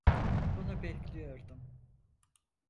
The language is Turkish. Bunu bekliyordum.